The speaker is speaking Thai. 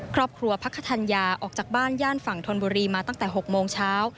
ครอบครัวพระคธัญญาออกจากบ้านย่านฝั่งธนบุรีมาตั้งแต่๖โมงเช้า